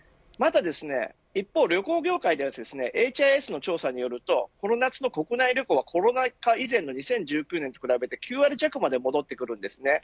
一方、旅行業界ではＨＩＳの調査によるとこの夏の国内旅行はコロナ禍以前の２０１９年と比べて９割弱まで戻ってきます。